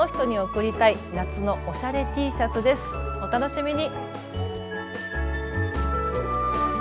お楽しみに。